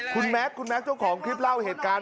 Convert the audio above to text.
คุณแม็กซ์คุณแม็กซ์เจ้าของคลิปเล่าเหตุการณ์